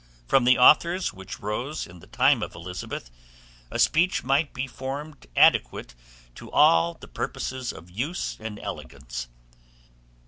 From the authors which rose in the time of Elizabeth, a speech might be formed adequate to all the purposes of use and elegance.